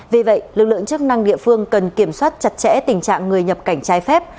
vì vậy lực lượng chức năng địa phương cần kiểm soát chặt chẽ tình trạng người nhập cảnh trái phép